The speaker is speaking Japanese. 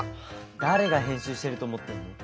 誰が編集してると思ってんの？